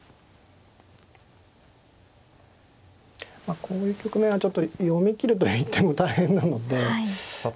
こういう局面はちょっと読み切るといっても大変なのでえ。